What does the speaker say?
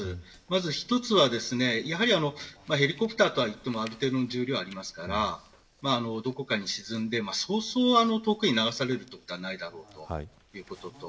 まず一つはヘリコプターとはいってもある程度の重量がありますからどこかに沈んでそうそう遠くに流されることはないだろうということ。